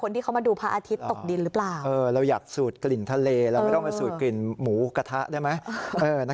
เราไม่ต้องมาสูจน์กลิ่นหมูกระทะได้ไหม